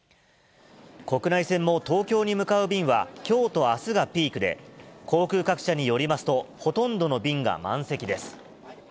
国内線の東京に向かう便は、きょうとあすがピークで、航空各社によりますと、ほとんどの便が満席です。